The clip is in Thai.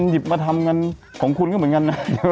หมั่งานของคุณก็เหมือนกัน